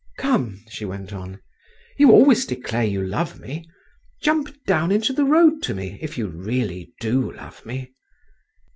"Come," she went on, "you always declare you love me; jump down into the road to me if you really do love me."